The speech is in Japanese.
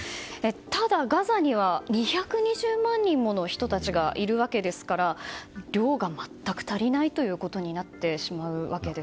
ただ、ガザには２２０万人もの人たちがいるわけですから量が全く足りないということになってしまうわけです。